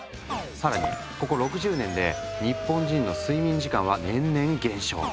更にここ６０年で日本人の睡眠時間は年々減少。